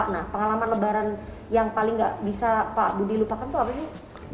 nah pengalaman lebaran yang paling gak bisa pak budi lupakan tuh apa sih